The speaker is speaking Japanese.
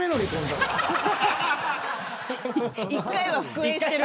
１回は復縁してる。